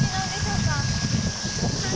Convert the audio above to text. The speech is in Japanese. うん。